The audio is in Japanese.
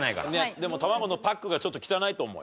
でも卵のパックがちょっと汚いと思うよ。